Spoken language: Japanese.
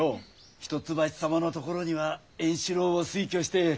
一橋様のところには円四郎を推挙して。